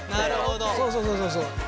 そうそうそうそうそう。